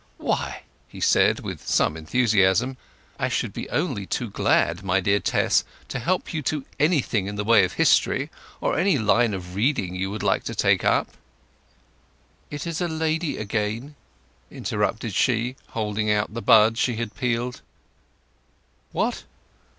Why," he said with some enthusiasm, "I should be only too glad, my dear Tess, to help you to anything in the way of history, or any line of reading you would like to take up—" "It is a lady again," interrupted she, holding out the bud she had peeled. "What?"